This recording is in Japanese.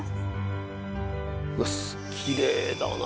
うわっきれいだな。